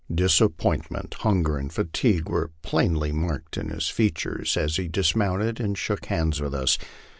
Disappointment, hunger, and fatigue were plainly marked in his features as he dismounted and shook hands with us.